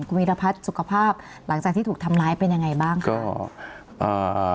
คุณวีรพัฒน์สุขภาพหลังจากที่ถูกทำร้ายเป็นยังไงบ้างครับ